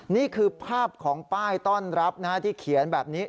นี่คือภาพของป้ายต้อนรับที่เขียนแบบนี้